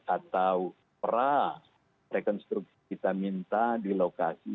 atau pra rekonstruksi kita minta di lokasi